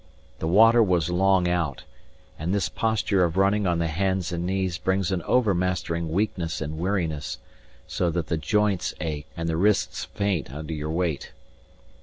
The water was long out; and this posture of running on the hands and knees brings an overmastering weakness and weariness, so that the joints ache and the wrists faint under your weight.